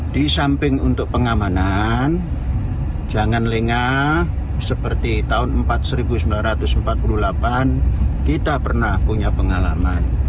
di samping untuk pengamanan jangan lengah seperti tahun seribu empat ratus empat puluh delapan kita pernah punya pengalaman